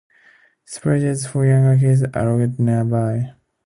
Spray jets for younger kids are located nearby.